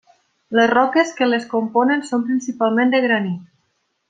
Les roques que les componen són principalment de granit.